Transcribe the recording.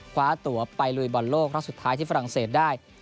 คว้าตัวไปลุยบอลโลกรอบสุดท้ายที่ฝรั่งเศสได้